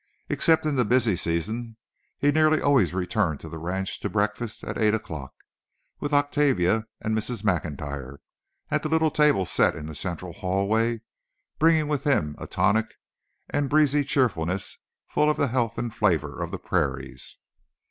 Except in the busy seasons, he nearly always returned to the ranch to breakfast at eight o'clock, with Octavia and Mrs. Maclntyre, at the little table set in the central hallway, bringing with him a tonic and breezy cheerfulness full of the health and flavour of the prairies.